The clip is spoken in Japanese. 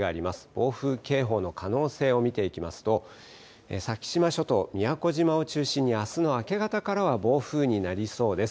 暴風警報の可能性を見ていきますと、先島諸島、宮古島を中心にあすの明け方からは暴風になりそうです。